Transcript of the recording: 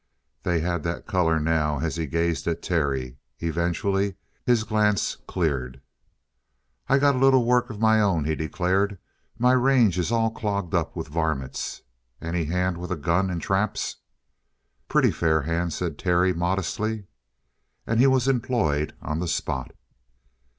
They had that color now as he gazed at Terry. Eventually his glance cleared. "I got a little work of my own," he declared. "My range is all clogged up with varmints. Any hand with a gun and traps?" "Pretty fair hand," said Terry modestly. And he was employed on the spot.